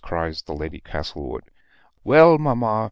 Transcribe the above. cries the Lady Castlewood. "Well, mamma!